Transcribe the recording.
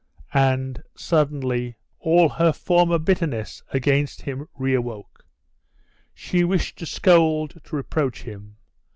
And, suddenly, all her former bitterness against him reawoke; she wished to scold, to reproach him.